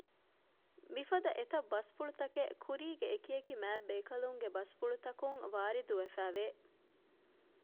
މިފަދަ އެތައް ބަސްފުޅުތަކެއް ކުރީގެ އެކިއެކި މާތްްބޭކަލުންގެ ބަސްފުޅުތަކުން ވާރިދުވެފައިވެ